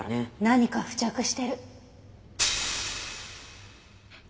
何か付着してる。